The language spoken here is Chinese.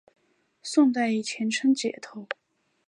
宋代以前称解头。